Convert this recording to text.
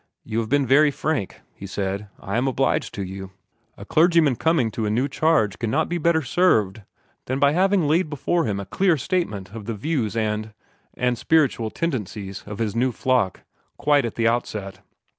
"You have been very frank," he said. "I am obliged to you. A clergyman coming to a new charge cannot be better served than by having laid before him a clear statement of the views and and spiritual tendencies of his new flock, quite at the outset.